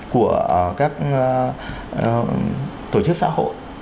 của các tổ chức xã hội